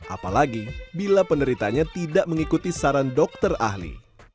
apalagi bila penderitanya tidak mengikuti saran dokter ahli